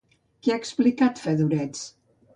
Què ha explicat Fedorets?